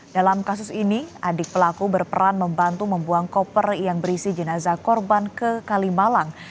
dalam kasus ini adik pelaku berperan membantu membuang koper yang berisi jenazah korban ke kalimalang